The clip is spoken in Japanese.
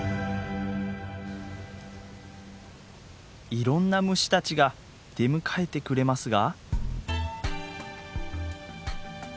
いろんな虫たちが出迎えてくれますが。